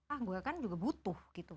ah gue kan juga butuh gitu